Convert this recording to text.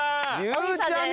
ゆうちゃみ